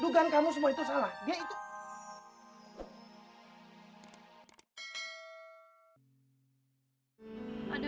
dugaan kamu semua itu salah dia itu ada